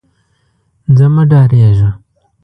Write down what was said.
ځه مه ډارېږه.